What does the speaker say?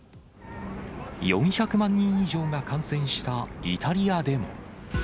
４００万人以上が感染したイタリアでも。